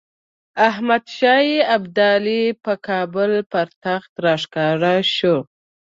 احمدشاه ابدالي په کابل پر تخت راښکاره شو.